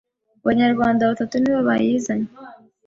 Abanyarwanda batatu nibo bayizanye